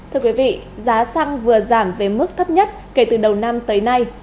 thưa quý vị giá xăng vừa giảm về mức thấp nhất kể từ đầu năm tới nay